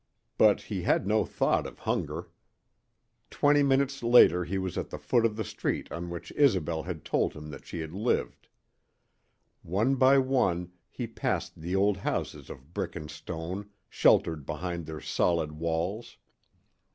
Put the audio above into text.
But he had no thought of hunger. Twenty minutes later he was at the foot of the street on which Isobel had told him that she had lived. One by one he passed the old houses of brick and stone, sheltered behind their solid walls.